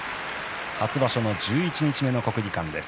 初場所の十一日目の国技館です。